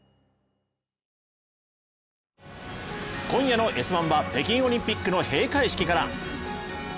今夜の「Ｓ☆１」は北京オリンピックの閉会式から。